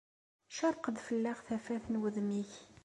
Cerq-d fell-aɣ tafat n wudem-ik!